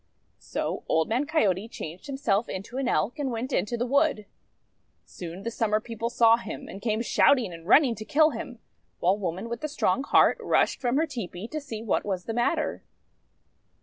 So Old Man Coyote changed himself into an Elk, and went into the wood. Soon the Summer People saw him, and came shouting, and running to kill him; while Woman with the Strong Heart rushed from her tepee to see what was the matter.